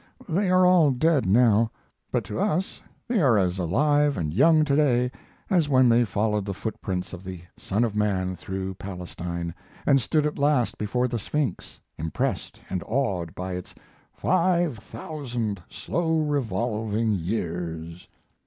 They are all dead now; but to us they are as alive and young to day as when they followed the footprints of the Son of Man through Palestine, and stood at last before the Sphinx, impressed and awed by its "five thousand slow revolving years."